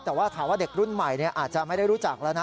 แต่ว่าถามว่าเด็กรุ่นใหม่อาจจะไม่ได้รู้จักแล้วนะ